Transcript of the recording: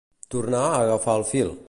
Tornar a agafar el fil.